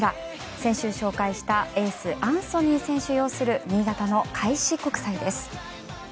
先週、紹介したエース、アンソニー選手擁する新潟の開志国際です。